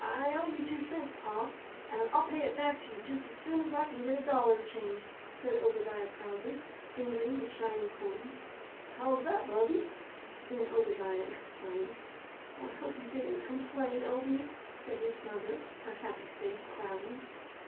"I owe you two cents, Pa, and I'll pay it back to you just as soon as I can get a dollar changed," said Obadiah proudly, fingering the shining coins. "How's that, Bubby?" Then Obadiah explained. "I hope you didn't complain, Obie," said his mother, her happy face clouding.